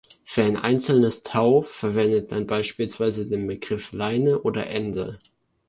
Für ein einzelnes „Tau“ verwendet man beispielsweise den Begriff „Leine“ oder „Ende“.